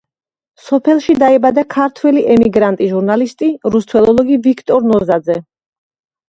სოფელში დაიბადა ქართველი ემიგრანტი ჟურნალისტი, რუსთველოლოგი ვიქტორ ნოზაძე.